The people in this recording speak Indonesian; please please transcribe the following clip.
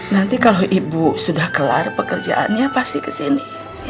nanti kalau ibu sudah kelar pekerjaannya pasti kesini